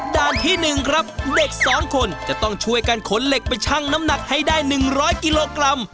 ด้านที่๑ครับเด็ก๒คนจะต้องช่วยกันขนเหล็กไปชั่งน้ำหนักให้ได้๑๐๐กิโลกรัม